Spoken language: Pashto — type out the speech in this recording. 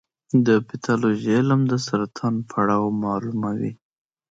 د پیتالوژي علم د سرطان پړاو معلوموي.